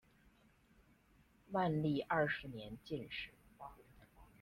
万历二十年进士。